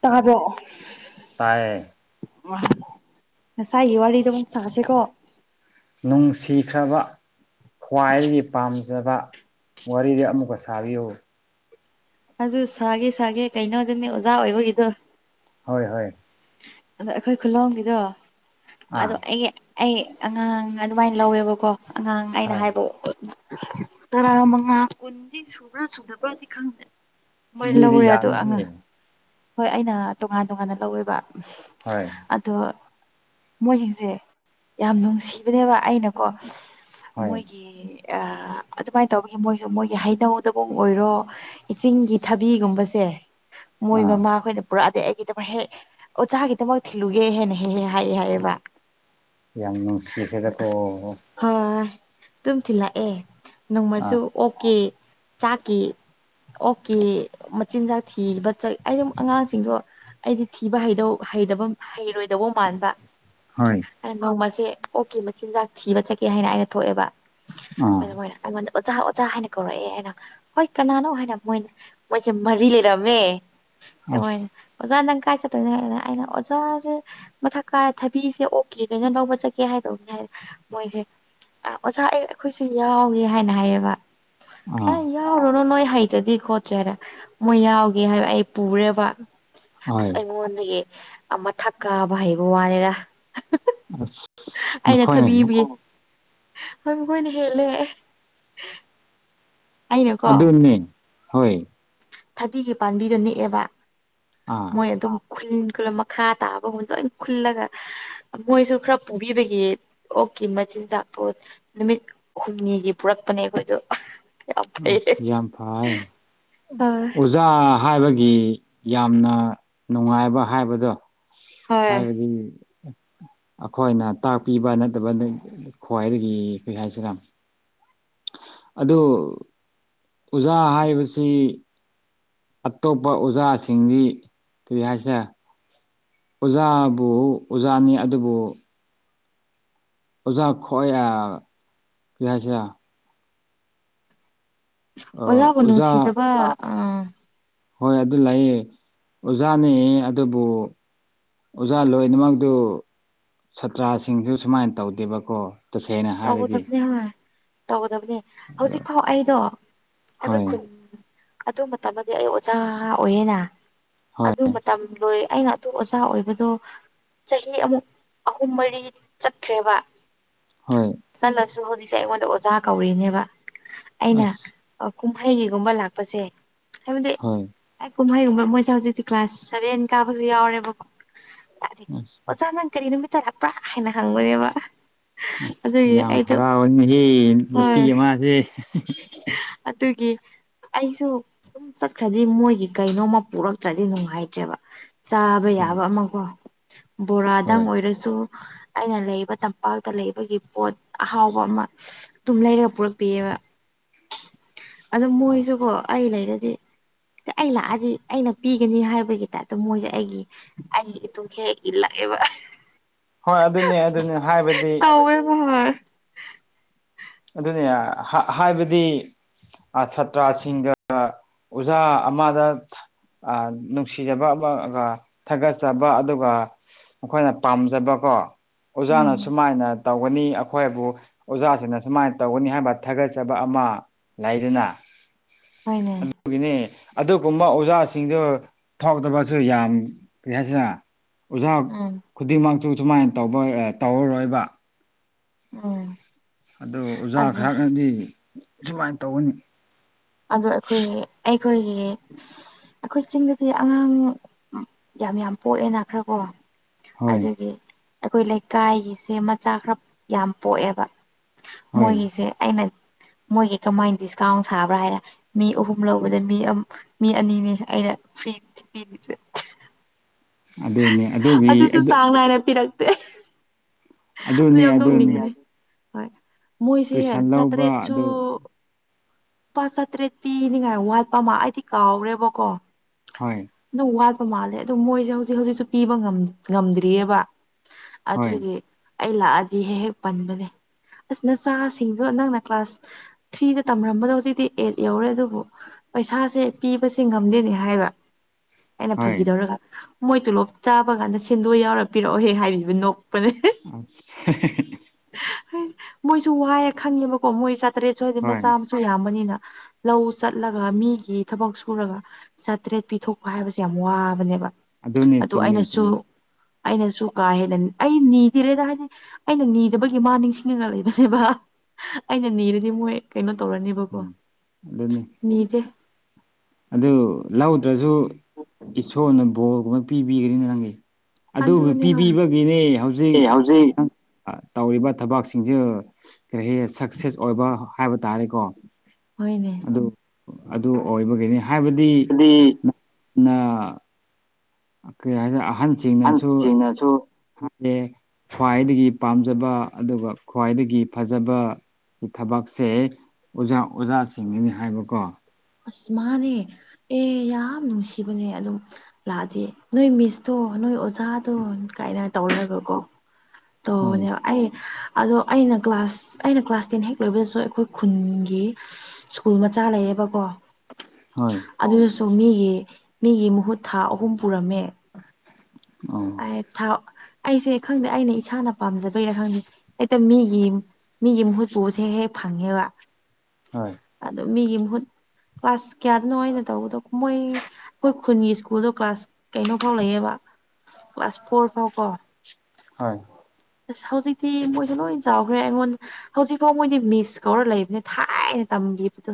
ꯇꯥꯔꯕꯣ ꯇꯌꯦ ꯑ ꯉꯁꯥꯏꯒꯤ ꯋꯥꯔꯤꯗ ꯑꯃꯨꯛ ꯁꯥꯥꯁꯦꯀꯣ ꯅꯨꯡꯁꯤꯈ꯭ꯔꯕ ꯈ꯭ꯋꯥꯏꯗꯒꯤ ꯄꯥꯝꯖꯕ ꯋꯥꯔꯤꯗꯨ ꯑꯃꯨꯛꯀ ꯁꯥꯕꯤꯌꯨ ꯑꯗꯨ ꯁꯥꯒꯦ ꯁꯥꯒꯦ ꯀꯩꯅꯣꯗꯅꯦ ꯑꯣꯖꯥ ꯑꯣꯏꯕꯒꯤꯗꯣ ꯍꯣꯏ ꯍꯣꯏ ꯑꯗꯣ ꯑꯩꯈꯣꯏ ꯈꯨꯂꯣꯒꯤꯗꯣ ꯑꯗꯣ ꯑꯥ ꯑꯩꯒꯤ ꯑꯩ ꯑꯉꯥꯡ ꯑꯗꯨꯃꯥꯏꯅ ꯂꯧꯋꯦꯕꯀꯣ ꯑꯉꯥꯡ ꯑꯩꯅ ꯍꯣꯏ ꯍꯥꯏꯕ ꯃ ꯀꯟꯗꯤ ꯁ ꯄꯨꯔꯥ ꯁꯨꯗꯕ꯭ꯔꯥꯗꯤ ꯈꯪꯗꯦ ꯃꯣꯏ ꯃꯤꯗꯤ ꯂꯧꯔꯦ ꯑꯗꯣ ꯑꯉ ꯌꯥꯝꯃꯤꯍꯦ ꯍꯣꯏ ꯑꯩꯅ ꯇꯣꯉꯥꯟ ꯇꯣꯉꯥꯟꯅ ꯂꯧꯋꯦꯕ ꯍꯣꯏ ꯑꯗꯣ ꯃꯣꯏꯁꯤꯡꯁꯦ ꯌꯥꯝ ꯅꯨꯡꯁꯤꯕꯅꯦꯕ ꯑꯩꯅꯀꯣ ꯍꯣꯏ ꯃꯣꯏꯒꯤ ꯑ ꯑꯗꯨꯃꯥꯏꯅ ꯇꯧꯕꯒꯤ ꯃꯣꯏꯁꯨ ꯃꯣꯏꯒꯤ ꯍꯩꯅꯧꯗꯕꯣꯡ ꯑꯣꯏꯔꯣ ꯏꯁꯤꯡꯒꯤꯒꯤ ꯊꯕꯤꯒꯨꯝꯕꯁꯦ ꯃꯣꯏ ꯑꯥ ꯃꯃꯥ ꯑꯩꯈꯣꯏꯅ ꯄꯨꯔꯛꯑꯗꯤ ꯑꯩꯒꯤꯗ ꯍꯦꯛ ꯑꯣ ꯆꯥꯒꯤꯗꯃꯛ ꯊꯤꯜꯂꯨꯒꯦ ꯍꯦꯟꯅ ꯍꯦꯍꯦ ꯍꯥꯏꯑꯦ ꯍꯥꯏꯑꯕ ꯌꯥꯝ ꯅꯨꯡꯁꯤꯁꯦꯗ ꯀꯣ ꯇꯝꯂ ꯑꯦ ꯅꯣꯡꯃꯁꯨ ꯑꯥ ꯑꯣꯀꯦ ꯆꯥꯛꯀꯦ ꯑꯣꯀꯦ ꯃꯆꯤꯟꯖꯥꯛ ꯊꯤꯕꯠ ꯑꯩ ꯑꯉꯥꯡꯁꯤꯡꯗꯣ ꯑꯩꯗꯤ ꯊꯤꯕ ꯍꯩ ꯍꯩꯕ ꯍꯩꯔꯣꯏꯗꯕꯧ ꯃꯥꯟꯕ ꯍꯣꯏ ꯑ ꯅꯣꯡꯃꯁꯦ ꯑꯣꯀꯦ ꯃꯆꯤꯟꯖꯥꯛ ꯊꯤꯕ ꯆꯠꯀꯦ ꯍꯥꯏꯅ ꯑꯩꯅ ꯊꯣꯛꯑꯦꯕ ꯑꯥ ꯑꯗꯨꯅ ꯑꯩꯉꯣꯟꯗ ꯑꯣꯖꯥ ꯑꯣꯖꯥ ꯍꯥꯏꯅ ꯀꯧꯔꯛꯑꯦ ꯍꯥꯏꯅ ꯍꯣꯏ ꯀꯅꯥꯅꯣ ꯍꯥꯏꯅ ꯃꯣꯏ ꯃꯣꯏꯁꯦ ꯃꯔꯤ ꯂꯩꯔꯝꯃꯦ ꯑꯁ ꯑꯣꯖ ꯅꯪ ꯀꯥꯏ ꯆ ꯑꯗꯨ ꯑꯩꯅ ꯑꯣꯖꯥꯁꯦ ꯃꯊꯛ ꯀꯥꯔ ꯊꯕꯤꯁꯦ ꯑꯣꯛꯀꯦ ꯂꯣꯏꯅ ꯂꯧꯕ ꯆꯠꯒꯦ ꯍꯥꯏꯗꯧꯕꯅꯦ ꯍꯥꯏꯔ ꯃꯣꯏꯁꯦ ꯑꯣꯖꯥ ꯑꯩ ꯑꯩꯈꯣꯏꯁꯨ ꯌꯥꯎꯏꯦ ꯍꯥꯏꯅ ꯍꯥꯏꯌꯦꯕ ꯑꯥ ꯑꯦ ꯌꯥ ꯔꯅ ꯅꯣꯏ ꯍꯩꯇꯗꯤ ꯈꯣꯠꯇ꯭ꯔꯦ ꯍꯥꯏꯅ ꯃꯣꯏ ꯌꯥꯎꯒꯦ ꯍꯥꯏꯕ ꯑꯩ ꯄꯨꯔꯦꯕ ꯑꯁ ꯍꯣꯏ ꯑꯩꯉꯣꯟꯗꯒꯤ ꯑꯃꯊꯛ ꯀꯥꯕ ꯍꯩꯕ ꯋꯥꯅꯤꯗ ꯑ ꯅꯈꯣꯏ ꯍꯕꯨ ꯀꯣꯏꯅ ꯍꯂꯦ ꯑꯩꯅꯀꯣ ꯑꯗꯨꯅꯤ ꯍꯣꯏ ꯊꯕꯤꯒꯤ ꯄꯥꯝꯕꯤꯗ ꯅꯦꯛꯑꯦꯕ ꯑꯥ ꯃꯣꯏ ꯑꯗꯨꯝ ꯈꯨꯟ ꯈꯨ ꯃꯈꯥ ꯇꯥꯕꯒꯨꯝꯕ ꯂꯣꯏꯅ ꯈꯨꯜꯂꯒ ꯃꯣꯏꯁꯨ ꯈꯔ ꯄꯨꯕꯤꯕꯒꯤ ꯑꯣꯛ ꯀꯤ ꯃꯆꯤꯟꯖꯥꯛ ꯄꯣ ꯅꯨꯃꯤꯠ ꯍꯨꯝꯅꯤꯒꯤ ꯄꯨꯔꯛꯄꯅꯦ ꯑꯩꯈꯣꯏꯗꯣ ꯌꯥꯝ ꯐꯩꯌꯦ ꯑꯁ ꯌꯥꯝ ꯐꯥꯏ ꯍꯣꯏ ꯑꯣꯖꯥ ꯍꯥꯏꯕꯒꯤ ꯌꯥꯝꯅ ꯅꯨꯡꯉꯥꯏꯕ ꯍꯥꯏꯕꯗꯣ ꯍꯣꯏ ꯍꯥꯏꯕꯗꯤ ꯑꯈꯣꯏꯅ ꯇꯥꯛꯄꯤꯕ ꯅꯠꯇꯕ ꯈ꯭ꯋꯥꯏꯗꯒꯤ ꯀꯔꯤ ꯍꯥꯏꯁꯤꯔꯥ ꯑꯗꯨ ꯑꯣꯖꯥ ꯍꯥꯏꯕꯁꯤ ꯑꯇꯣꯞꯄ ꯑꯣꯖꯥꯁꯤꯡꯗꯤ ꯀꯔꯤ ꯍꯥꯏꯁꯤꯔ ꯑꯣꯖꯥꯕꯨ ꯑꯣꯖꯥꯅꯤ ꯑꯗꯨꯕꯨ ꯑꯣꯖꯥ ꯈꯣꯏ ꯑ ꯀꯔ꯭ꯤ ꯍꯥꯏꯁꯤꯔ ꯑꯣꯖꯥꯕꯨ ꯑꯣꯖꯥ ꯅꯨꯡꯁꯤꯗꯕ ꯑ ꯍꯣꯏ ꯑꯗꯨ ꯂꯩꯌꯦ ꯑꯣꯖꯥꯅꯦ ꯑꯗꯨꯕꯨ ꯑꯣꯖꯥ ꯂꯣꯏꯅꯃꯛꯇꯨ ꯁꯥꯇ꯭ꯔꯥꯁꯤꯡꯁꯨ ꯁꯨꯃꯥꯏꯅ ꯇꯧꯗꯦꯕꯀꯣ ꯇꯁꯦꯡꯅ ꯍꯥꯏꯔꯒꯤ ꯇꯧꯒꯗꯕꯅꯦ ꯍꯣꯏ ꯇꯧꯒꯗꯕꯅꯦ ꯍꯧꯖꯤꯛ ꯐꯥꯎ ꯑꯩꯗꯣ ꯑꯩꯈꯣꯏ ꯍꯣꯏ ꯈꯨꯟ ꯑꯗꯨ ꯃꯇꯝꯗꯗꯤ ꯑꯩ ꯑꯣꯖꯥ ꯑꯣꯏꯌꯦꯅ ꯑꯗꯨ ꯃꯇꯝ ꯂꯣꯏ ꯑꯩꯅ ꯑꯗꯨ ꯑꯣꯖꯥ ꯑꯣꯏꯕꯗꯣ ꯆꯍꯤ ꯑꯃꯨꯛ ꯑꯍꯨꯝ ꯃꯔꯤ ꯆꯠꯈ꯭ꯔꯦꯕ ꯍꯣꯏ ꯆꯠꯂꯁꯨ ꯍꯧꯖꯤꯛꯁꯦ ꯑꯩꯉꯣꯟꯗ ꯑꯣꯖꯥ ꯀꯧꯔꯤꯅꯦꯕ ꯍꯣꯏ ꯑꯩꯅ ꯑꯁ ꯀꯨꯝꯍꯩꯒꯤꯒꯨꯝꯕ ꯂꯥꯛꯄꯁꯦ ꯍꯥꯏꯕꯗꯤ ꯍꯣꯏ ꯀꯨꯝꯍꯩꯒꯨꯝꯕ ꯃꯣꯏꯁꯦ ꯍꯧꯖꯤꯛꯇꯤ ꯀ꯭ꯂꯥꯁ ꯁꯚꯦꯟ ꯀꯥꯕꯁꯨ ꯌꯥꯎꯔꯦꯕꯀꯣ ꯑꯁ ꯑꯣꯖꯥ ꯅꯪ ꯀꯔꯤ ꯅꯨꯃꯤꯠꯇꯔꯛꯄ꯭ꯔꯥ ꯍꯥꯏꯅ ꯍꯪꯕꯅꯦꯕ ꯑꯗꯨꯒꯤ ꯌꯥꯝ ꯑꯩꯗꯣ ꯍꯔꯥꯎꯏꯅꯍ ꯅꯨꯄꯤ ꯍꯣꯏ ꯑꯃꯁꯦ ꯑꯗꯨꯒꯤ ꯑꯩꯁꯨ ꯁꯨꯝ ꯆꯠꯈ꯭ꯔꯗꯤ ꯃꯣꯏꯒꯤ ꯀꯩꯅꯣꯃ ꯄꯔꯛꯇ꯭ꯔꯗꯤ ꯅꯨꯡꯉꯥꯏꯇ꯭ꯔꯦꯕ ꯆꯥꯕ ꯍꯣꯏ ꯌꯥꯕ ꯑꯃꯀꯣ ꯕꯣꯔꯥꯗꯪ ꯍꯣꯏ ꯑꯣꯏꯔꯁꯨ ꯑꯩꯅ ꯂꯩꯕ ꯇꯝꯄꯥꯛꯇ ꯂꯩꯕꯒꯤ ꯄꯣꯠ ꯑꯍꯥꯎꯕ ꯑꯃ ꯑꯗꯨꯝ ꯂꯩꯔꯒ ꯄꯨꯔꯛꯄꯤꯌꯦꯕ ꯑꯗꯣ ꯃꯣꯏꯁꯨꯀꯣ ꯑꯩ ꯂꯩꯔꯗꯤ ꯑꯩ ꯂꯥꯛꯑꯗꯤ ꯑꯩꯅ ꯄꯤꯒꯅꯤ ꯍꯥꯏꯕꯒꯤ ꯇꯥꯏꯞꯇ ꯃꯣꯏꯁꯦ ꯑꯩꯒꯤ ꯑꯩꯒꯤ ꯏꯇꯨꯡ ꯍꯦꯛ ꯏꯂꯛꯑꯦ ꯕ [unintelligible] ꯍꯣꯏ ꯑꯗꯨꯅꯦ ꯑꯗꯨꯅꯤ ꯍꯥꯏꯕꯗꯤ ꯇꯧꯋꯦꯕ ꯍꯣꯏ ꯑꯗꯨꯅꯦ ꯍꯥꯏꯕꯗꯤ ꯁꯥꯇ꯭ꯔꯥꯁꯤꯡꯒ ꯑꯣꯖꯥ ꯑꯃꯗ ꯑ ꯅꯨꯡꯁꯤꯖꯕ ꯑꯃ ꯒ ꯊꯥꯒꯠꯆꯕ ꯑꯗꯨꯒ ꯃꯈꯣꯏꯅ ꯄꯥꯝꯖꯕꯀꯣ ꯑꯣꯖꯥꯅ ꯎꯝ ꯁꯨꯃꯥꯏꯅ ꯇꯧꯒꯅꯤ ꯑꯩꯈꯣꯏꯕꯨ ꯑꯣꯖꯥꯁꯤꯅ ꯁꯨꯃꯥꯏꯅ ꯇꯧꯒꯅꯤ ꯍꯥꯏꯕ ꯊꯥꯒꯠꯆꯕ ꯑꯃ ꯂꯩꯗꯅ ꯍꯣꯏꯅꯦ ꯑꯗꯨꯒꯤꯅꯦ ꯑꯗꯨꯒꯨꯝꯕ ꯑꯣꯖꯥꯁꯤꯡꯗꯨ ꯐꯥꯎꯗꯕꯁꯨ ꯌꯥꯝ ꯀꯔꯤ ꯍꯥꯏꯁꯤꯅ ꯑꯣꯖꯥ ꯎꯝ ꯈꯨꯗꯤꯡꯃꯛꯁꯨꯨ ꯁꯨꯃꯥꯏꯅ ꯇꯧꯕ ꯇꯧꯔꯔꯣꯏꯕ ꯎꯝ ꯑꯗꯨ ꯑꯣꯖꯥ ꯑꯗꯨ ꯈꯔꯅꯗꯤ ꯁꯨꯃꯥꯏꯅ ꯇꯧꯒꯅꯤ ꯑꯣ ꯑꯩꯈꯣꯏ ꯑꯩꯈꯣꯏꯒꯤ ꯑꯩꯈꯣꯏ ꯆꯤꯡꯗꯗꯤ ꯑꯉꯥꯡ ꯌꯥꯝ ꯌꯥꯝ ꯄꯣꯛꯑꯦꯅ ꯈ꯭ꯔ ꯀꯣ ꯍꯣꯏ ꯑꯗꯨꯒꯤ ꯑꯩꯈꯣꯏ ꯂꯩꯀꯥꯏꯒꯤꯁꯦ ꯃꯆꯥ ꯈꯔ ꯌꯥꯝ ꯄꯣꯛꯑꯦꯕ ꯍꯣꯏ ꯃꯣꯏꯒꯤꯁꯦ ꯑꯩꯅ ꯃꯣꯏꯒꯤ ꯀꯃꯥꯏꯅ ꯗꯤꯁꯀꯥꯎꯟ ꯁꯥꯕ꯭ꯔꯥ ꯍꯥꯏꯔ ꯃꯤ ꯑꯍꯨꯝ ꯂꯧꯕꯗ ꯃꯤ ꯃꯤ ꯑꯅꯤꯅꯤ ꯑꯩꯅ ꯐ꯭ꯔꯤ ꯄꯤꯔꯤꯁꯦ [unintelligible] ꯑꯗꯨꯅꯤ ꯑꯗꯨꯒꯤ ꯑꯗꯨꯁꯨ ꯆꯥꯡ ꯅꯥꯏꯅ ꯄꯤꯔꯛꯇꯦ ꯑꯗꯨ ꯑꯗꯨꯅꯤ ꯌꯥꯝ ꯑꯗꯨꯅꯤ ꯅꯣꯛꯅꯤꯡꯉꯥꯏ ꯍꯣꯏ ꯃꯣꯏꯁꯦ ꯇꯨꯏꯁꯟ ꯂꯧꯕ ꯆꯥꯇ꯭ꯔꯦꯠꯁꯨ ꯑꯗꯨ ꯂꯨꯄꯥ ꯆꯥꯇ꯭ꯔꯦꯠ ꯄꯤꯅꯤꯡꯉꯥꯏ ꯋꯥꯠꯄ ꯑꯃ ꯑꯩꯗꯤ ꯀꯥꯎꯔꯦꯕꯀꯣ ꯍꯣꯏ ꯑꯗꯨ ꯋꯥꯠꯄ ꯃꯥꯜꯂꯦ ꯑꯗꯨ ꯃꯣꯏꯁꯦ ꯍꯧꯖꯤꯛ ꯍꯧꯖꯤꯛꯁꯨ ꯄꯤꯕ ꯉꯝꯗ꯭ꯔꯤꯑꯕ ꯍꯣꯏ ꯑꯗꯨꯒꯤ ꯑꯩ ꯂꯥꯛꯑꯗꯤ ꯍꯦꯛ ꯍꯦꯛ ꯄꯟꯕꯅꯦ ꯑꯁ ꯅꯆꯥꯁꯤꯡꯗꯣ ꯅꯪꯅ ꯀ꯭ꯂꯥꯁ ꯊ꯭ꯔꯤꯗ ꯇꯝꯔꯝꯕꯗꯣ ꯍꯧꯖꯤꯛꯇꯤ ꯑꯦꯠ ꯌꯧꯔꯦ ꯑꯗꯨꯕꯨ ꯄꯩꯁꯥꯁꯦ ꯄꯤꯕꯁꯦ ꯉꯝꯗꯦꯅꯦ ꯍꯥꯏꯕ ꯑꯩꯅ ꯍꯣꯏ ꯐꯈꯤꯗꯧꯔꯒ ꯃꯣꯏ ꯇꯣꯂꯣꯞ ꯆꯥꯕ ꯀꯥꯟꯗ ꯁꯦꯟꯗꯣꯏ ꯌꯥꯎꯔ ꯄꯤꯔꯛꯑꯣꯍꯦ ꯍꯥꯏꯕꯤꯕ ꯅꯣꯛꯄꯅꯦ ꯑ ꯍꯣꯏ ꯃꯣꯏꯁꯨ ꯋꯥꯏꯑꯦ ꯈꯪꯉꯦꯕꯀꯣ ꯃꯣꯏ ꯆꯥꯇ꯭ꯔꯦꯠꯁꯨ ꯍꯥꯏꯗꯤ ꯃꯆꯥ ꯍꯣꯏ ꯑꯃꯁꯨ ꯌꯥꯝꯕꯅꯤꯅ ꯂꯧ ꯆꯠꯂꯒ ꯃꯤꯒꯤ ꯊꯕꯛ ꯁꯨꯔꯒ ꯆꯥꯇ꯭ꯔꯦꯠ ꯄꯤꯊꯣꯛꯄ ꯍꯥꯏꯕꯁꯦ ꯌꯥꯝ ꯋꯥꯕꯅꯦꯕ ꯑꯗꯨ ꯑꯗꯨꯣꯅꯦ ꯑꯗꯣ ꯆꯃꯦ ꯑꯩꯅꯁꯨ ꯆꯃꯦ ꯑꯩꯅꯁꯨ ꯀꯥ ꯍꯦꯟꯅ ꯑꯩ ꯅꯤꯗꯔꯦꯗ ꯍꯥꯏꯗꯤ ꯑꯩꯅ ꯅꯤꯗꯕꯒꯤ ꯃꯥ ꯅꯤꯡ ꯂꯩꯕꯅꯦꯕ ꯑꯩꯅ ꯅꯤꯔꯗꯤ ꯃꯣꯏ ꯀꯩꯅꯣ ꯇꯧꯔꯅꯦꯕꯀꯣ ꯎꯝ ꯑꯗꯨꯅꯤ ꯅꯤꯗꯦ ꯑꯗꯨ ꯂꯧꯗ꯭ꯔꯁꯨ ꯏꯁꯣꯔꯅ ꯕꯣꯜꯒꯨꯝꯕ ꯄꯤꯕꯤꯒꯅꯤꯅ ꯅꯪꯒꯤ ꯑꯗꯨꯕꯨ ꯑꯗꯨꯅꯦ ꯍꯣꯏ ꯄꯤꯕꯤꯕꯒꯤꯅꯦ ꯑꯦ ꯍꯧꯖꯤꯛ ꯍꯧꯖꯤꯛꯪ ꯇꯧꯔꯤꯕ ꯊꯕꯛꯁꯤꯡꯁꯦ ꯀꯔꯤ ꯍꯥꯏ ꯁꯛꯁꯦꯁ ꯑꯣꯏꯕ ꯍꯥꯏꯕ ꯇꯥꯔꯦꯀꯣ ꯍꯣꯏꯅꯦ ꯑꯗꯨ ꯑꯗꯨ ꯑꯣꯏꯕꯒꯤꯅꯤ ꯍꯥꯏꯕꯗꯤ ꯍꯥꯏꯗꯤ ꯑ ꯀꯩ ꯍꯥꯏꯔꯦ ꯑꯍꯟꯁꯤꯡꯅꯁꯨ ꯑꯍꯟꯁꯤꯡꯅꯁꯨ ꯍꯥꯏꯦ ꯈ꯭ꯋꯥꯏꯗꯒꯤ ꯄꯥꯝꯖꯕ ꯑꯗꯨꯒ ꯈ꯭ꯋꯥꯏꯗꯒꯤ ꯐꯖꯕ ꯊꯕꯛꯁꯦ ꯑꯣꯖꯥ ꯑꯣꯖꯥꯁꯤꯡꯅꯤ ꯍꯥꯏꯕꯀꯣ ꯑꯁꯃꯅꯦ ꯑꯦ ꯌꯥꯝ ꯅꯨꯡꯁꯤꯕꯅꯦ ꯑꯗꯨꯝ ꯂꯥꯛꯑꯗꯦ ꯅꯣꯏ ꯃꯤꯁꯇꯣ ꯅꯣꯏ ꯑꯣꯥꯗꯣ ꯀꯥꯏꯅ ꯇꯧꯔꯒꯀꯣ ꯍꯣꯏ ꯇꯧꯕꯅꯦꯕ ꯑꯩ ꯑꯗꯣ ꯑꯩꯅ ꯀ꯭ꯂꯥꯁ ꯑꯩꯅ ꯀ꯭ꯂꯥꯁ ꯇꯦꯟ ꯍꯦꯛ ꯂꯣꯏꯕꯗꯁꯨ ꯑꯩꯈꯣꯏ ꯈꯨꯟꯒꯤ ꯁ꯭ꯀꯨꯜ ꯃꯆꯥ ꯂꯩꯌꯦꯕꯀꯣ ꯍꯣꯏ ꯑꯣ ꯃꯤꯒꯤ ꯃꯤꯒꯤ ꯃꯍꯨꯠ ꯊꯥ ꯑꯍꯨꯝ ꯄꯨꯔꯝꯃꯦ ꯑꯣ ꯑꯩ ꯊꯥꯎ ꯑꯩꯁꯦ ꯈꯪꯗꯦ ꯑꯩꯅ ꯏꯁꯥꯅ ꯄꯥꯝꯖꯕꯩꯔꯥ ꯈꯪꯗꯦ ꯃꯤꯒꯤ ꯃꯤꯒꯤ ꯃꯍꯨꯠꯄꯕꯁꯦ ꯍꯦꯛ ꯐꯪꯉꯦꯕ ꯍꯣꯏ ꯑꯗꯣ ꯃꯤꯒꯤ ꯃꯍꯍꯨꯠ ꯀ꯭ꯂꯥꯁ ꯀꯌꯥꯗꯅꯣ ꯑꯩꯅ ꯇꯧꯕꯗꯣ ꯃꯣꯏ ꯑꯩꯈꯣꯏ ꯈꯨꯟꯒꯤ ꯁ꯭ꯀꯨꯜꯗꯣ ꯀ꯭ꯂꯥꯁ ꯀꯩꯅꯣ ꯐꯥꯎ ꯂꯩꯌꯦꯕ ꯀ꯭ꯂꯥꯁ ꯐꯣꯔ ꯐꯥꯎ ꯀꯣ ꯍ ꯍꯦ ꯑꯩꯉꯣꯟꯗ ꯍꯧꯖꯤꯛꯐꯥꯎ ꯃꯣꯏꯗꯤ ꯃꯤꯁ ꯀꯧꯔ ꯂꯩꯕꯅꯦ ꯊꯥꯏꯅ ꯇꯝꯈꯤꯕꯗꯣ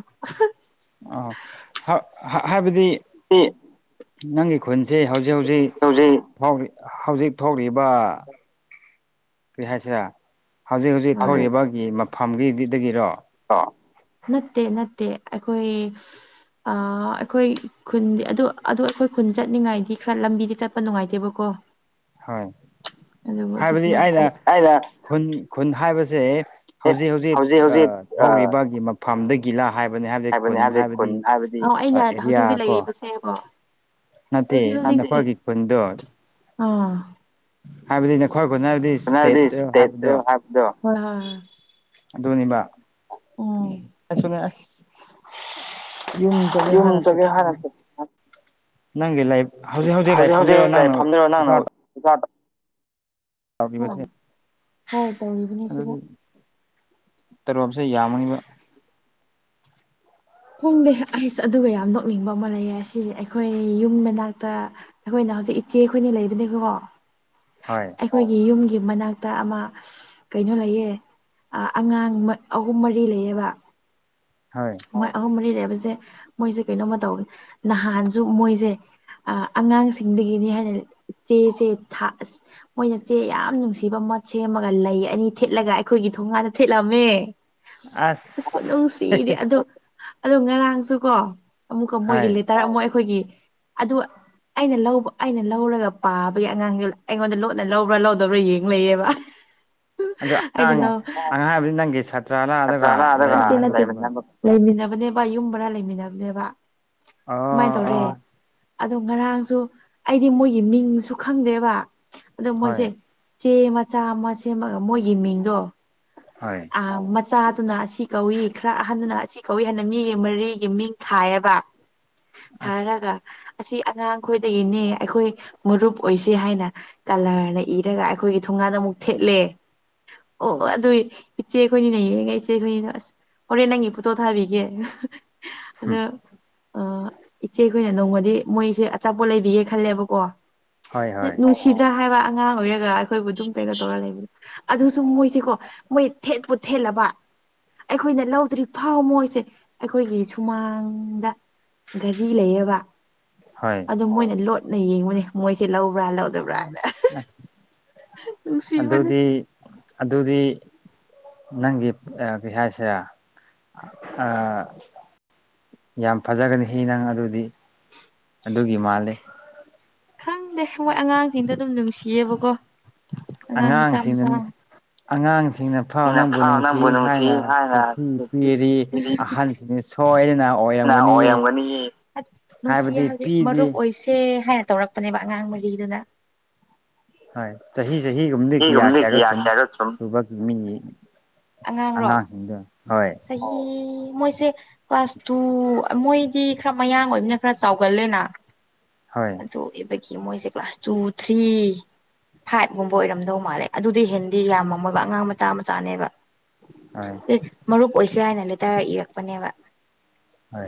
ꯑ ꯍꯥꯏꯕꯗꯤ ꯍꯧꯖꯤꯛ ꯅꯪꯒꯤ ꯈꯨꯟꯁꯦ ꯍꯧꯖꯤꯛ ꯍꯧꯖꯤꯛ ꯍꯧꯖꯤꯛ ꯐꯥꯎꯔꯤ ꯍꯧꯖꯤꯛ ꯊꯣꯛꯂꯤꯕ ꯀꯔꯤ ꯍꯥꯏꯁꯤꯔꯦ ꯍꯧꯖꯤꯛ ꯍꯧꯖꯤꯛ ꯊꯣꯛꯔꯤꯕꯒꯤ ꯃꯐꯝꯒꯤꯗꯨꯗꯒꯤꯔꯣ ꯑꯣ ꯅꯠꯇꯦ ꯅꯠꯇꯦ ꯑꯩꯈꯣꯏ ꯑꯩꯈꯣꯏ ꯈꯨꯟꯗꯤ ꯑꯗꯨ ꯑꯗꯨ ꯑꯩꯈꯣꯏ ꯈꯨꯟ ꯆꯠꯅꯤꯡꯉꯥꯏꯗꯤ ꯈꯔ ꯂꯝꯕꯤꯗꯤ ꯆꯠꯄ ꯅꯨꯡꯉꯥꯏꯇꯦꯕꯀꯣ ꯍꯣꯏ ꯍꯥꯏꯕꯗꯤ ꯑꯩꯅ ꯑꯗꯨ ꯈꯨꯟ ꯈꯨꯟ ꯍꯥꯏꯕꯁꯦ ꯍꯧꯖꯤꯛ ꯍꯧꯖꯤꯛ ꯍꯥꯏꯕꯅꯤ ꯍꯧꯔꯤꯕꯒꯤ ꯃꯐꯝꯗꯒꯤꯂꯥ ꯍꯥꯏꯕꯅꯤ ꯍꯥꯏꯕꯗꯤ ꯈꯨꯟ ꯍꯥꯏꯕꯗꯤ ꯍꯥꯏꯕꯗꯤ ꯑꯣ ꯑꯩꯅ ꯍꯧꯖꯤꯛ ꯑꯦꯔꯤꯌꯥ ꯍꯧꯖꯤꯛ ꯀꯣ ꯂꯩꯔꯤꯕꯁꯦꯕꯣ ꯅꯠꯇꯦ ꯍꯧꯖꯤꯛ ꯅꯄ ꯍꯧꯖꯤꯛꯁꯦ ꯏꯀꯗꯨ ꯑꯥ ꯍꯥꯏꯕꯗꯤ ꯅꯈꯣꯏ ꯈꯨꯣꯠꯅꯕꯗꯤ ꯍꯥꯏꯕꯗꯤ ꯏꯁꯇꯦꯠꯇ ꯏꯁꯇꯦꯠꯇ ꯍꯥꯏꯕꯗꯣ ꯍꯥꯏꯕꯗꯣ ꯍꯣꯏ ꯍꯣꯏ ꯍꯣꯏ ꯑꯗꯨꯅꯦꯕ ꯎꯝ ꯑꯁꯨꯅꯦ ꯑꯁ ꯌꯨꯝ ꯆꯒꯦ ꯍꯅ ꯌꯨꯝ ꯆ ꯆꯠꯒꯦ ꯍꯥꯟꯅ ꯅꯪꯒꯤ ꯂꯩ ꯍꯧꯖꯤꯛ ꯍꯧꯖꯤꯛ ꯂꯥꯏꯔꯤꯛ ꯐꯝꯖꯔꯣ ꯅꯪꯅ ꯂꯥꯏꯐꯝꯗꯨꯔꯣ ꯅꯪꯅ ꯍꯣꯏ ꯑꯣꯖꯥꯗ ꯇꯥꯎꯕꯁꯦ ꯍꯣꯏ ꯇꯧꯔꯤꯕꯅꯦ ꯁꯤꯗ ꯑꯗꯨꯗꯤ ꯇꯔꯣꯁꯦ ꯌꯥꯝꯃꯅꯤꯕ ꯈꯣꯡꯗꯦ ꯑꯩꯁ ꯑꯗꯨꯒ ꯌꯥꯝ ꯅꯣꯛꯅꯤꯡꯕ ꯑꯃ ꯂꯩꯌꯦ ꯑꯁꯤ ꯑꯩꯈꯣꯏ ꯌꯨꯝ ꯃꯅꯥꯛꯇ ꯑꯩꯈꯣꯏꯅ ꯍꯧꯖꯤꯛ ꯏꯆꯦ ꯑꯩꯈꯣꯏꯅ ꯂꯩꯕꯅꯦꯀꯣ ꯍꯣꯏ ꯑꯩꯈꯣꯏꯒꯤ ꯌꯨꯝꯒꯤ ꯃꯅꯥꯛꯇ ꯑꯃ ꯀꯩꯅꯣ ꯂꯩꯌꯦ ꯑꯉꯥꯡ ꯑꯍꯨꯝ ꯃꯔꯤ ꯂꯩꯑꯕ ꯍꯣꯏ ꯃꯣꯏ ꯑꯍꯨꯝ ꯃꯔꯤꯔꯦꯕꯁꯦ ꯃꯣꯏꯁꯦ ꯀꯩꯅꯣꯝꯃ ꯇꯧ ꯅꯍꯥꯟꯁꯨ ꯃꯣꯏꯁꯦ ꯑꯉꯥꯡꯁꯤꯡꯗꯒꯤꯅꯤ ꯍꯥꯏꯅ ꯆꯦꯁꯦ ꯑ ꯃꯣꯏꯅ ꯆꯦ ꯌꯥꯝ ꯅꯨꯡꯁꯤꯕ ꯁꯦꯝꯃꯒ ꯂꯩ ꯑꯅꯤ ꯊꯦꯠꯂꯒ ꯑꯩꯈꯣꯏꯒꯤ ꯊꯣꯡꯒꯥꯟꯗ ꯊꯦꯠꯂꯝꯃꯦ ꯑꯁ [unintelligible] ꯑꯣ ꯉꯔꯥꯡꯁꯨ ꯀꯣ ꯑꯃꯨꯛꯀ ꯃꯣꯏꯒꯤ ꯍꯣꯏ ꯂꯦꯇꯔ ꯑꯃꯨꯛ ꯑꯩꯈꯣꯏꯒꯤ ꯑꯗꯨ ꯑꯩꯅ ꯂꯧꯕ ꯑꯩꯅ ꯂꯧꯔꯒ ꯄꯥꯕꯒꯤ ꯑꯉꯥꯡꯗꯨ ꯑꯩꯉꯣꯟꯗ ꯂꯣꯠꯅ ꯂꯧꯕ꯭ꯔꯥ ꯂꯧꯗꯕ꯭ꯔꯥ ꯌꯦꯡꯅꯩꯌꯦꯕ ꯑꯗꯣ ꯑꯉꯥꯡ ꯑꯉꯥꯡ ꯍꯥꯏꯕꯗꯤ ꯅꯪꯒꯤ ꯁꯥꯇ꯭ꯔꯥꯂꯥ ꯑꯗꯨꯒ ꯂꯩꯃꯤꯟꯅꯕꯒꯨꯝꯕ [unintelligible] [inaudible] ꯂꯩꯃꯤꯟꯅꯕꯅꯦꯕ ꯌꯨꯝ ꯔ ꯂꯩꯃꯤꯟꯅꯕꯅꯦꯕ ꯁꯃꯥꯏꯅ ꯑꯣ ꯇꯧꯔꯦ ꯑꯣ ꯑꯗꯣ ꯉꯔꯥꯡꯁꯨ ꯑꯩꯗꯤ ꯃꯣꯏꯒꯤ ꯃꯤꯡꯁꯨ ꯈꯪꯗꯦꯕ ꯑꯗꯣ ꯍꯣꯏ ꯃꯣꯏꯁꯦ ꯆꯦ ꯃꯆꯥ ꯑꯃ ꯁꯦꯝꯃꯒ ꯃꯣꯏꯒꯤ ꯃꯤꯡꯗꯣ ꯍꯣꯏ ꯃꯆꯥꯗꯨꯅ ꯑꯁꯤ ꯀꯧꯏ ꯈꯔ ꯑꯍꯟꯗꯨꯅ ꯑꯁꯤ ꯀꯧꯏ ꯍꯥꯏꯅ ꯃꯤꯒꯤ ꯃꯔꯤꯒꯤ ꯃꯤꯡ ꯊꯥꯏꯑꯕ ꯑꯁ ꯍꯔꯒ ꯑꯁꯤ ꯑꯉꯥꯡ ꯈꯣꯏꯗꯒꯤꯅꯦ ꯑꯩꯈꯣꯏ ꯃꯔꯨꯞ ꯑꯣꯏꯁꯦ ꯍꯥꯏꯅ ꯀꯂꯔꯅ ꯏꯔꯒ ꯑꯩꯈꯣꯏꯒꯤ ꯊꯨꯡ ꯉꯥꯗ ꯑꯃꯨꯛ ꯊꯦꯠꯂꯦ ꯑꯣ ꯑꯣ ꯑꯗꯨꯏ ꯏꯆꯦ ꯑꯩꯈꯣꯏꯅꯤꯅꯦ ꯌꯦꯡꯉ ꯏꯆꯦ ꯑꯩꯈꯣꯏꯅꯤꯅ ꯑꯁ ꯍꯣꯔꯦꯟ ꯅꯪꯉ ꯇꯣ ꯊꯥꯕꯤꯒꯦ ꯑꯗꯣ ꯏꯆꯦ ꯑꯩꯈꯣꯏꯅ ꯅꯣꯡꯃꯗꯤ ꯃꯣꯏꯁꯦ ꯑꯆꯥꯄꯣꯠ ꯂꯩꯕꯤꯌꯦ ꯈꯜꯂꯦꯕꯀꯣ ꯍꯣꯏ ꯍꯣꯏ ꯅꯨꯡꯁꯤꯗ꯭ꯔꯥ ꯍꯥꯏꯕ ꯑꯉꯥꯡ ꯑꯣꯏꯔꯒ ꯑꯩꯈꯣꯏꯕꯨ ꯑꯗꯨꯝ ꯀꯩꯅꯣ ꯇꯧꯔ ꯂꯩꯕ ꯑꯗꯨꯁꯨ ꯃꯣꯏꯁꯤꯀꯣ ꯃꯣꯏ ꯊꯦꯠꯄꯨ ꯊꯦꯠꯂꯕ ꯑꯩꯈꯣꯏꯅ ꯂꯧꯗ꯭ꯔꯤꯕ ꯊꯥꯎ ꯃꯣꯏꯁꯦ ꯑꯩꯈꯣꯏꯒꯤ ꯁꯨꯃꯥꯡꯗ ꯘꯔꯤ ꯂꯩꯌꯦꯕ ꯍꯣꯏ ꯑꯗꯨ ꯃꯣꯏꯅ ꯂꯣꯠ ꯅ ꯌꯦꯡꯕꯅꯦ ꯃꯣꯏꯁꯦ ꯂꯧꯕ꯭ꯔꯥ ꯂꯧꯗꯕ꯭ꯔꯥ ꯍꯥꯏꯅ ꯑꯁ ꯅꯨꯡꯁꯤꯕꯅꯦ ꯑꯗꯨꯗꯤ ꯑꯗꯨꯗꯤ ꯅꯪꯒꯤ ꯀꯩ ꯍꯥꯏꯁꯦ ꯌꯥꯝ ꯐꯖꯒꯅꯤ ꯍꯤ ꯅꯪ ꯑꯗꯨꯗꯤ ꯑꯗꯨꯒꯤ ꯃꯥꯜꯂꯤ ꯈꯪꯗꯦ ꯍꯣꯏ ꯑꯉꯥꯡꯁꯤꯡꯗ ꯑꯗꯨꯝ ꯅꯨꯡꯁꯤꯌꯦꯕꯀꯣ ꯑꯉꯥꯡ ꯃꯆꯥ ꯑꯉꯥꯡꯁꯤꯡꯅ ꯃꯆꯥ ꯑꯉꯥꯡꯁꯤꯡ ꯊꯦꯡꯅ ꯐ ꯁꯤꯅ ꯅꯪꯕꯨ ꯐꯥꯎ ꯅꯨꯡꯁꯤ ꯍꯥꯏꯅ ꯍꯥꯏꯅ ꯆꯤꯊꯤ ꯄꯤꯔꯤ ꯑꯍꯟꯁꯤꯗꯤ ꯁꯣꯏꯗꯅ ꯑꯣꯏꯔꯝꯒꯅꯤ ꯅꯨꯡꯁꯤ ꯍꯥꯏꯕꯗꯤ ꯃꯔꯨꯞ ꯑꯣꯏꯁꯦ ꯍꯥꯏꯔ ꯇꯧꯔꯛꯄꯅꯦꯕ ꯑꯉꯥꯡ ꯃꯔꯤꯗꯨꯅ ꯍꯣꯏ ꯆꯍꯤ ꯆꯍꯤꯒꯨꯝꯗꯤ ꯀꯌꯥ ꯁꯤꯒꯨꯝꯕꯗꯤ ꯀꯦꯌꯥꯒ ꯁꯨꯝ ꯀꯌꯥꯔꯛ ꯁꯨꯝ ꯁꯨꯕ ꯃꯤ ꯑꯉꯥꯡꯔꯣ ꯆꯍꯤ ꯃꯣꯏꯁꯦ ꯀ꯭ꯂꯥꯁ ꯇꯨ ꯃꯣꯏꯗꯤ ꯈꯔ ꯃꯌꯥꯡ ꯑꯣꯏꯕꯅꯤꯅ ꯈꯔ ꯆꯥꯎꯒꯜꯂꯦꯅ ꯍꯣꯏ ꯑꯗꯨꯏꯕꯒꯤ ꯃꯣꯏꯁꯦ ꯀ꯭ꯂꯥꯁ ꯇꯨ ꯊ꯭ꯔꯤ ꯐꯥꯏꯚꯒꯨꯝꯕ ꯑꯣꯏꯔꯝꯗꯧ ꯃꯥꯜꯂꯦ ꯑꯗꯨꯗꯤ ꯍꯦꯟꯗꯤ ꯌꯥꯝꯃꯝꯃꯣꯏꯕ ꯑꯉꯥꯡ ꯃꯆꯥ ꯃꯆꯥꯅꯦꯕ ꯍꯣꯏ ꯑꯦ ꯃꯔꯨꯞ ꯑꯣꯏꯁ ꯍꯥꯏꯅ ꯂꯩꯇꯥꯔ ꯏꯔꯛꯄꯅꯦꯕ ꯍ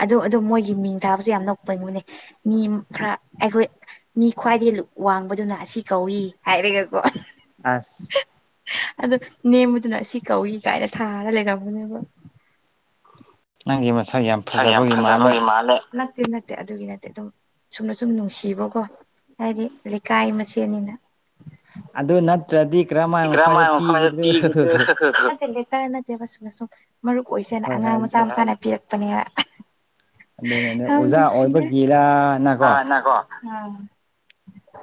ꯑ ꯑꯗꯨꯣ ꯃꯣꯏꯒꯤ ꯃꯤꯡ ꯊꯥꯕꯁꯨ ꯌꯥꯝ ꯅꯄꯩꯉꯣꯏꯅꯦ ꯃꯤ ꯈꯔ ꯑꯩꯈꯣꯏ ꯃꯤ ꯈ꯭ꯋꯥꯏꯗꯒꯤ ꯋꯥꯡꯕꯗꯨꯅ ꯑꯁꯤ ꯀꯧꯏ ꯍꯥꯏꯔꯒ ꯑꯁ ꯑꯗꯣ ꯅꯦꯝꯕꯗꯨꯅ ꯑꯁꯤ ꯀꯧꯏ ꯀꯥꯏꯔ ꯊꯥꯔ ꯂꯩꯒꯕꯅꯦꯕ ꯅꯤꯒꯤ ꯃ ꯁꯥ ꯌꯥꯝ ꯐꯖꯕꯒꯤ ꯃꯥꯜꯂꯦ ꯅꯠꯇꯦ ꯅꯠꯇꯦ ꯑꯗꯨꯒꯤ ꯅꯠꯇꯦ ꯑꯗꯨꯝ ꯁꯨꯝꯅ ꯁꯨꯝ ꯅꯨꯡꯁꯤꯕꯀꯣ ꯍꯥꯏꯗꯤ ꯂꯩꯀꯥꯏ ꯃꯁꯦꯜꯅꯤꯅ ꯑꯗꯨ ꯅꯠꯇ꯭ꯔꯗꯤ ꯀꯔꯝꯍꯥꯏꯅ ꯃꯈꯣꯏꯗ ꯏꯀ꯭ꯔꯥꯃꯥꯏ ꯈ ꯄꯤꯒꯗ꯭ꯔꯣ ꯇꯤꯒꯗ꯭ꯔ ꯀꯅꯗꯦꯕ ꯁꯨꯝꯅ ꯁꯨꯝ ꯃꯔꯨꯞ ꯑꯣꯏꯁꯦꯅ ꯍꯣꯏ ꯑꯉꯥꯡ ꯍꯣꯏ ꯃꯆꯥ ꯃꯆꯥꯅ ꯄꯤꯔꯛꯄꯅꯦ ꯑꯗꯨꯅꯤ ꯑꯗꯨ ꯑꯣꯖꯥ ꯅꯨꯡꯁꯤꯌꯦꯀꯣ ꯑꯣꯏꯕꯒꯤꯔꯅꯀꯣ ꯑꯥ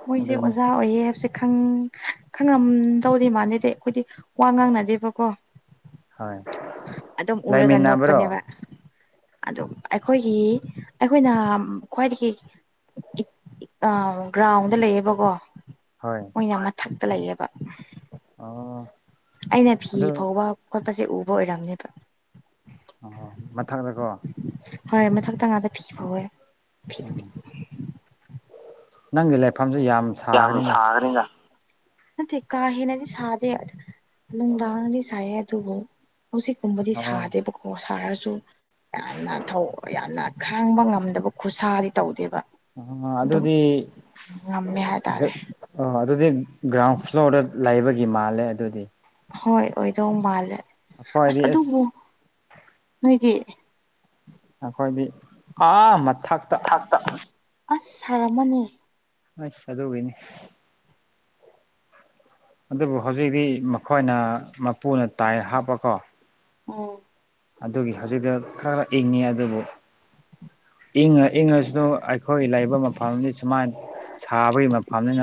ꯃꯣꯏꯁꯦ ꯑꯗꯨꯅꯤ ꯑꯣꯖꯥ ꯑꯣꯏꯌꯦ ꯍꯥꯏꯕꯁꯦ ꯈꯪꯉꯝ ꯇꯧꯔꯤ ꯃꯥꯥꯟꯅꯗ ꯑꯩꯈꯣꯏꯗꯤ ꯋꯥ ꯉꯥꯡꯅꯗꯦꯕꯀꯣ ꯍꯣꯏ ꯑꯗꯨ ꯑꯗꯨ ꯎꯔꯒꯟꯅ ꯂꯩꯃꯤꯟꯅꯕ꯭ꯔꯣ ꯑꯣꯄꯅꯦꯕ ꯑꯗꯨꯝ ꯑꯩꯈꯣꯏꯒꯤ ꯑꯩꯈꯣꯏꯅ ꯈ꯭ꯋꯥꯏꯗꯒꯤ ꯑ ꯒ꯭ꯔꯥꯎꯟꯗ ꯂꯩꯌꯦꯕꯀꯣ ꯍꯣꯏ ꯃꯣꯏ ꯌꯥꯝꯅ ꯊꯛꯇ ꯂꯩꯌꯦꯦꯕ ꯑꯣ ꯑꯩꯅ ꯐꯤ ꯑꯗꯨ ꯐꯥꯎꯕ ꯈꯣꯠꯄꯁꯦ ꯎꯕ ꯑꯣꯏꯔꯝꯅꯦꯕ ꯑ ꯃꯊꯪꯗꯀꯣ ꯇꯉꯗ ꯐꯤꯕꯋꯦ ꯐ ꯅꯪꯒꯤ ꯂꯐꯝꯁꯨꯦ ꯌꯥꯝ ꯁꯥꯈꯅꯤꯅ ꯁꯥꯒꯅꯤꯅ ꯅꯠꯇꯦ ꯀꯥ ꯍꯅꯗꯤ ꯁꯥꯗꯦ ꯅꯨꯡꯗꯥꯥꯡꯡꯗꯤ ꯁꯥꯏꯦ ꯑꯗꯨꯕꯨꯣ ꯍꯧꯖꯤꯛꯀꯨꯝꯕꯗꯤ ꯑꯣ ꯁꯥꯗꯦꯕꯀꯣ ꯁꯥꯔꯁꯨ ꯌꯥꯝꯅ ꯌꯥꯝꯅ ꯈꯥꯡꯕ ꯉꯝꯗꯕ ꯈꯨꯠꯁꯥꯗꯤ ꯇꯧꯗꯦꯕ ꯑ ꯑꯗꯨꯝ ꯑꯗꯨꯗꯤ ꯉꯝꯃꯦ ꯍꯥꯏꯇꯥꯔꯦ ꯑ ꯑꯗꯨꯗꯤ ꯒ꯭ꯔꯥꯎꯟ ꯐ꯭ꯂꯣꯔꯗ ꯂꯩꯕꯒꯤ ꯃꯥꯜꯂꯦ ꯑꯗꯨꯗꯤ ꯍꯣꯏ ꯑꯣꯏꯗꯧ ꯃꯥꯜꯂꯦ ꯑꯁ ꯑꯗꯨꯕꯨ ꯅꯣꯏꯗꯤ ꯑꯩꯈꯣꯏꯗꯤ ꯑꯥ ꯃꯊꯛꯇ ꯊꯥꯛꯇ ꯑꯁ ꯁꯥꯔꯝꯃꯅꯤ ꯑꯁ ꯑꯗꯨꯒꯅꯤ ꯑꯗꯨꯕꯨ ꯍꯧꯖꯤꯛꯇꯤ ꯃꯈꯣꯏꯅ ꯃꯄꯨꯅ ꯇꯥꯏ ꯍꯥꯞꯄꯀꯣ ꯎꯝ ꯑꯗꯨꯒꯤ ꯍꯧꯖꯤꯛꯇꯛꯇ ꯈꯔ ꯈꯔ ꯏꯪꯉꯤ ꯑꯗꯨꯕꯨ ꯏꯪꯉ ꯏꯪꯉꯁꯨ ꯑꯩꯈꯣꯏ ꯂꯩꯕ ꯃꯐꯝꯗꯤ ꯁꯨꯃꯥꯏꯅ ꯁꯥꯕꯒꯤ ꯃꯐꯝꯅꯤꯅ